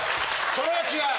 それは違う。